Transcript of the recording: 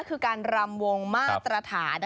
คือการรำวงมาตรฐาน